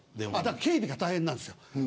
警備が大変なんです。